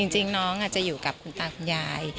จริงน้องจะอยู่กับคุณตาคุณยาย